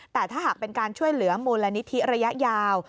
แต่ถ้าหากเป็นการช่วยเหลือมูลนิธิระยะยาว